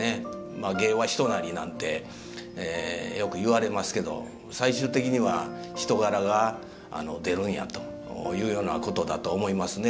まあ「芸は人なり」なんてよくいわれますけど最終的には人柄が出るんやというようなことだと思いますね。